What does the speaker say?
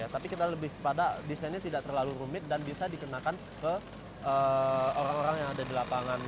tapi kita lebih pada desainnya tidak terlalu rumit dan bisa dikenakan ke orang orang yang ada di lapangan